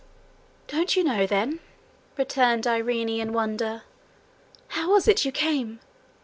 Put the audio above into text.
'Don't you know then?' returned Irene, in wonder. 'How was it you came?